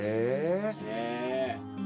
へえ。